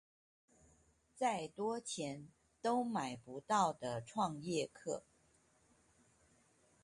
再多錢都買不到的創業課